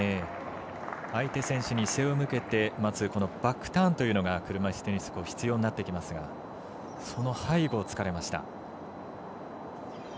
相手選手に背を向けて待つバックターンというのが車いすテニス必要になってきますがその背後を突かれました。